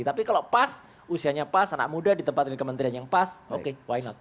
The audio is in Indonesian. tapi kalau pas usianya pas anak muda ditempatkan kementerian yang pas oke why not